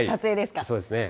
そうですね。